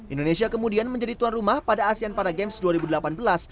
indonesia kemudian menjadi tuan rumah pada asean para games dua ribu delapan belas